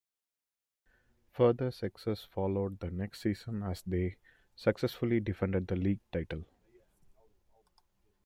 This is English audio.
Further success followed the next season as they successfully defended the league title.